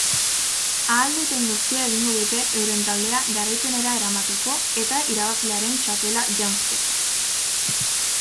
Ahal duten guztia egingo dute euren taldea garaipenera eramateko eta irabazlearen txapela janzteko.